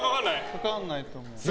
かからないと思う。